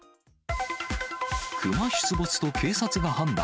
熊出没と警察が判断。